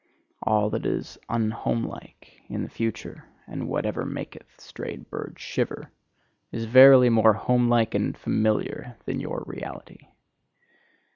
All that is unhomelike in the future, and whatever maketh strayed birds shiver, is verily more homelike and familiar than your "reality."